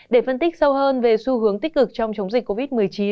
để phân tích sâu hơn về xu hướng tích cực trong chống dịch covid một mươi chín